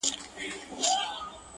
په سودا وو د کسات د اخیستلو.!